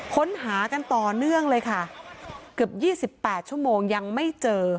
ค้นหากันต่อเนื่องเลยค่ะเกือบ๒๘ชั่วโมงยังไม่เจอ